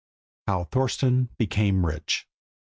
HOW THORSTON BECAME RICH.